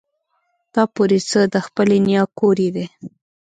تا پورې څه د خپلې نيا کور يې دی.